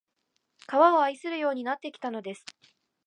川を愛するようになってきたのです